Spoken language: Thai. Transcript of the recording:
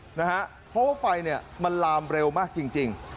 เพราะว่าไฟมันลามเร็วมากจริง